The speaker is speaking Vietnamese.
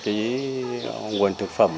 cái nguồn thực phẩm